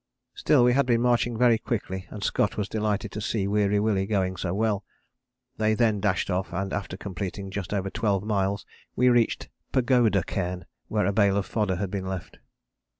Still we had been marching very quickly and Scott was delighted to see Weary Willie going so well. They then dashed off, and after completing just over 12 miles we reached Pagoda Cairn where a bale of fodder had been left.